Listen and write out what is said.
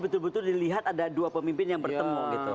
betul betul dilihat ada dua pemimpin yang bertemu gitu